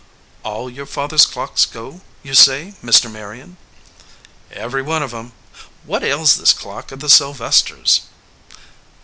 "All your father s clocks go, you say, Mr. Marion ?" "Every one of them. What ails this clock of the Sylvesters